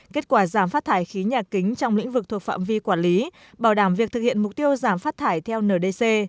kết quả giảm phát thải khí nhà kính trong lĩnh vực thuộc phạm vi quản lý bảo đảm việc thực hiện mục tiêu giảm phát thải theo ndc